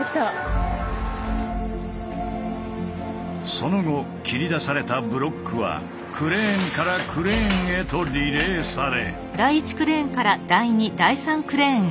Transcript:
その後切り出されたブロックはクレーンからクレーンへとリレーされ。